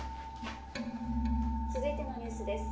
続いてのニュースです。